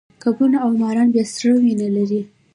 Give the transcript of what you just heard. کبونه او ماران بیا سړه وینه لري